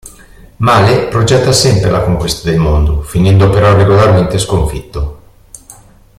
Male progetta sempre la conquista del mondo, finendo però regolarmente sconfitto.